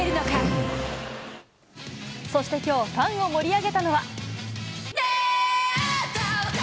そしてきょう、ファンを盛り上げたのは。